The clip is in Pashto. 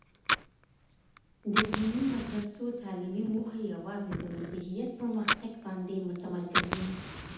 د دیني مدرسو تعلیمي موخې یوازي د مسیحیت پرمختګ باندې متمرکز وې.